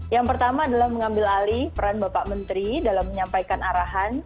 yang pertama adalah mengambil alih peran bapak menteri dalam menyampaikan arahan